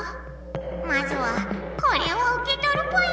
まずはこれをうけとるぽよ。